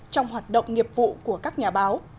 trong hoạt động nghiệp vụ của các nhà báo